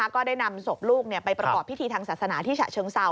ก็ได้นำศพลูกไปประกอบพิธีทางศาสนาที่ฉะเชิงเซา